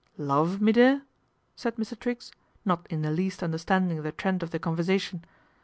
"Love, me dear?" said Mr. Triggs, not in th least understanding the trend of the conversa tion.